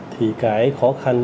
thì cái khó khăn